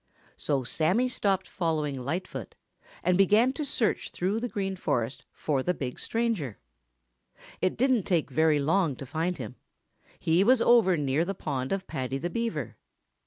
So Sammy stopped following Lightfoot and began to search through the Green Forest for the big stranger. It didn't take very long to find him. He was over near the pond of Paddy the Beaver.